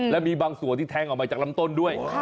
และมีบางส่วนที่แทงออกมาจากลำต้นด้วย